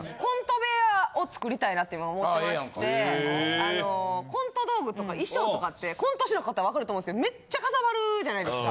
あのコント道具とか衣装とかってコント師の方分かると思うんですけどめっちゃかさばるじゃないですか。